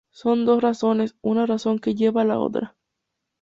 Son dos razones, una razón que lleva a la otra.